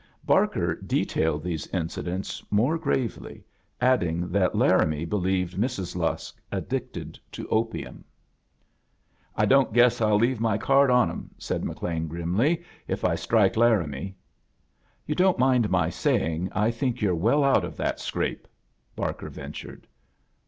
Barker detailed these incidents more gravely, add ing that Laramie believed Mrs. Lusk ad dicted to opium. A JOURNEY IN SEARCH OF CHRISTMAS "I don't guess I'll leave my card on 'em," said McLean, grimly, "if I strike Laramie." "Yoo don't mind my saying I think you're well out of that scrape?" Barker ventured.